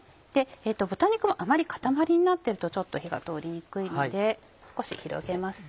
豚肉もあまり固まりになってると火が通りにくいので少し広げます。